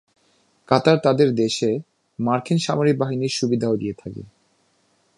কাতার তাদের দেশে মার্কিন সামরিক বাহিনীর সুবিধাও দিয়ে থাকে।